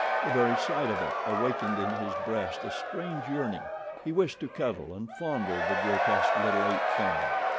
The very sight of it awakened in his breast a strange yearning. He wished to cuddle and fondle the grotesque little ape thing.